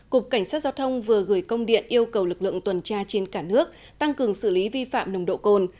cục cảnh sát giao thông vừa gửi công điện yêu cầu lực lượng tuần tra trên cả nước tăng cường xử lý vi phạm nồng độ cồn